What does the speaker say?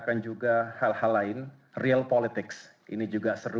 tentunya tadi kita berbicara tentang hal hal lain real politics ini juga seru